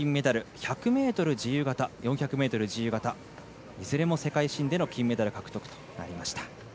１００ｍ自由形、４００ｍ自由形いずれも世界新での金メダル獲得となりました。